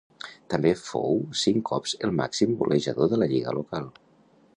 També fou cinc cops el màxim golejador de la lliga local.